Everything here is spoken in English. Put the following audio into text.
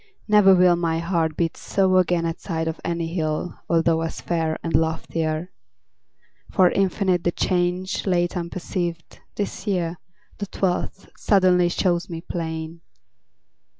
Never will My heart beat so again at sight Of any hill although as fair And loftier. For infinite The change, late unperceived, this year, The twelfth, suddenly, shows me plain.